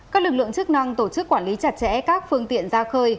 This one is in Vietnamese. các lực lượng chức năng tổ chức quản lý chặt chẽ các phương tiện ra khơi